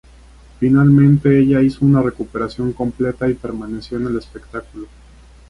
Finalmente ella hizo una recuperación completa y permaneció en el espectáculo.